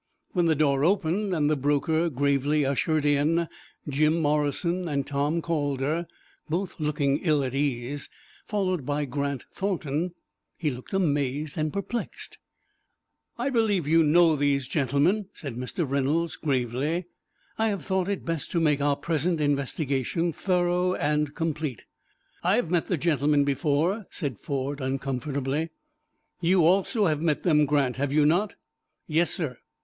When the door opened, and the broker gravely ushered in Jim Morrison and Tom Calder, both looking ill at ease, followed by Grant Thornton, he looked amazed and perplexed. "I believe you know these gentlemen," said Mr. Reynolds, gravely. "I have thought it best to make our present investigation thorough and complete." "I have met the gentlemen before," said Ford, uncomfortably. "You also have met them, Grant, have you not?" "Yes, sir."